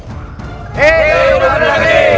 hei hidup beragami